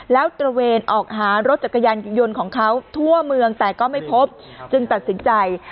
แล้วตระเวนออกหารถจักรยานยนต์ของเขาทั่วเมืองแต่ก็ไม่พบจึงตัดสินใจ